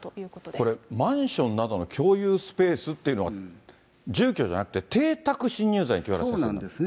これ、マンションなどの共有スペースっていうのは、住居じゃなくて、そうなんですね。